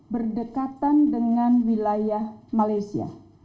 berdekatan dengan wilayah malaysia